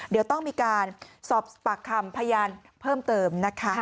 เดี๋ยวต้องมีการสอบปากคำพยานเพิ่มเติมนะคะ